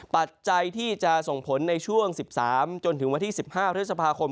ปัจจัยที่จะส่งผลในช่วง๑๓จนถึงวันที่๑๕พฤษภาคม